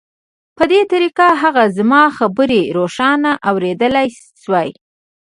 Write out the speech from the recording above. په دې طریقه هغه زما خبرې روښانه اورېدلای شوې